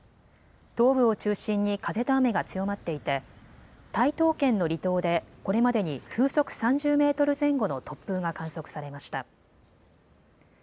東部を中心に風と雨が強まっていて台東県の離島でこれまでに風速３０メートル前後の突風が観測されました。